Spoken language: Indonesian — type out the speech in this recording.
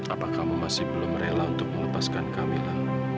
apakah kamu masih belum rela untuk melepaskan kamila